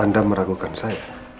anda meragukan saya